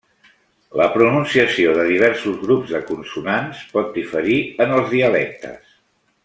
La pronunciació de i diversos grups de consonants pot diferir en els dialectes.